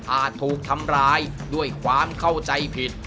ถูกทำร้ายด้วยความเข้าใจผิด